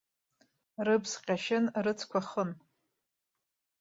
Рыбз ҟьашьын, рыцқәа хын.